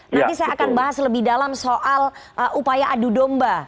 nanti saya akan bahas lebih dalam soal upaya adu domba